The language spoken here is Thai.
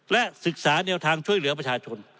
และศึกษาแนวทางช่วยเหลือประชาชน